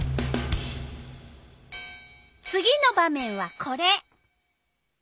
次の場面はこれ。